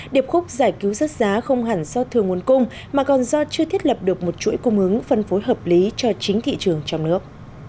điệp khúc giải cứu rớt giá không hẳn do thường nguồn cung mà còn do chưa thiết lập được một chuỗi cung ứng phân phối hợp lý cho chính thị trường trong nước